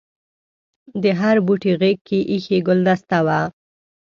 د هر بوټي غېږ کې ایښي ګلدسته وه.